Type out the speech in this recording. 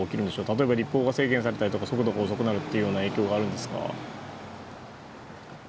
例えば、立法が制限されたり速度が遅くなるというような影響があるんですか。